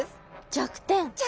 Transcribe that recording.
弱点。